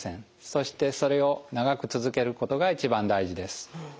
そしてそれを長く続けることが一番大事です。